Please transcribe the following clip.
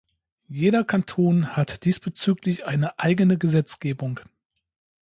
Jeder Kanton hat diesbezüglich eine eigene Gesetzgebung.